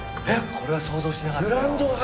これは想像してなかったよ。